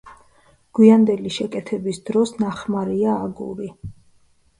გვიანდელი შეკეთების დროს ნახმარია აგური.